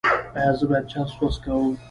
ایا زه باید چرس وڅکوم؟